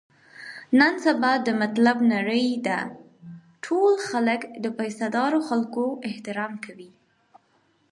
نن سبا د مطلب نړۍ ده، ټول خلک د پیسه دارو خلکو احترام کوي.